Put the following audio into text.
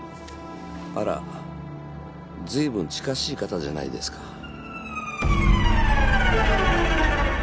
あら随分近しい方じゃないですか。